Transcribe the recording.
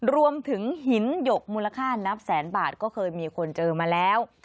รวมถึงหินหยกมูลค่านับแสนบาทก็เคยมีคนเจอมาแล้ว